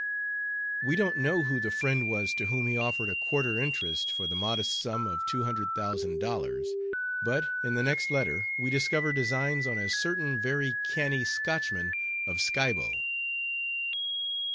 We don't know who the friend was to whom he offered a quarter interest for the modest sum of two hundred thousand dollars. But in the next letter we discover designs on a certain very canny Scotchman of Skibo.